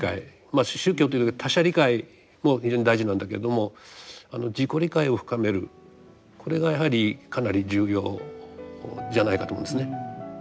まあ宗教という他者理解も非常に大事なんだけれども自己理解を深めるこれがやはりかなり重要じゃないかと思うんですね。